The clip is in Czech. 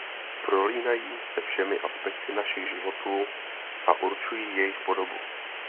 Prolínají se všemi aspekty našich životů a určují jejich podobu.